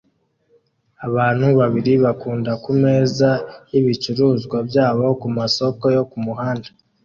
Abantu babiri bakunda kumeza yibicuruzwa byabo kumasoko yo kumuhanda